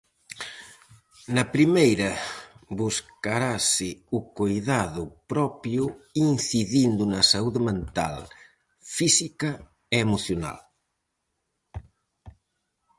Na primeira buscarase o coidado propio incidindo na saúde mental, física e emocional.